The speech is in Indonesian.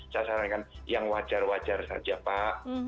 saya sarankan yang wajar wajar saja pak